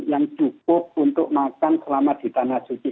yang cukup untuk makan selama di tanah suci